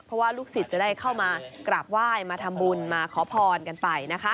เพราะว่าลูกศิษย์จะได้เข้ามากราบไหว้มาทำบุญมาขอพรกันไปนะคะ